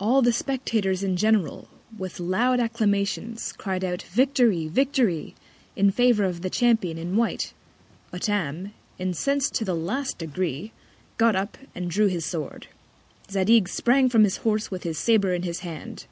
All the Spectators in general, with loud Acclamations, cried out, Victory! Victory! in favour of the Champion in white. Hottam, incens'd to the last Degree, got up, and drew his Sword. Zadig sprang from his Horse with his Sabre in his Hand.